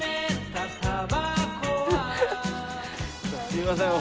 すいません。